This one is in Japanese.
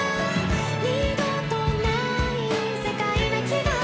「二度とない世界な気がしてる」